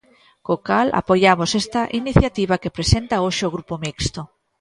Co cal apoiamos esta iniciativa que presenta hoxe o Grupo Mixto.